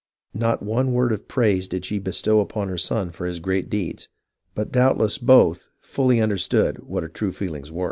Not one word of praise did she bestow upon her son for his great deeds, but doubtless both fully understood what her true feelings were.